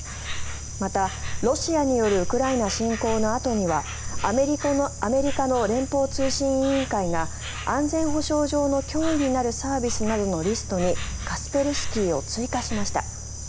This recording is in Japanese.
また、ロシアによるウクライナ侵攻のあとにはアメリカの連邦通信委員会が安全保障上の脅威になるサービスなどのリストにカスペルスキーを追加しました。